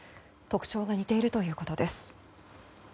特徴が似ているということです。